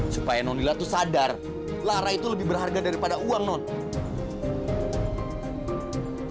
supaya nona nila itu sadar lara itu lebih berharga daripada uang nona